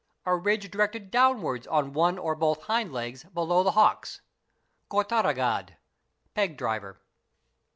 A ridge directed downwards on one or both hind legs below the — hocks, (khortagad=peg driver).